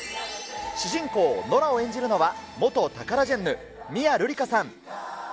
主人公、ノラを演じるのは元タカラジェンヌ、美弥るりかさん。